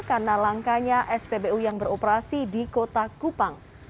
karena langkanya spbu yang beroperasi di kota kupang